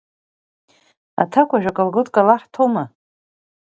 Аҭакәажә акалготка лаҳҭома?